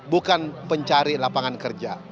bukan pencari lapangan kerja